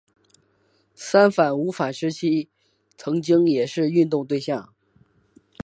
三反五反时期曾经也是运动对象。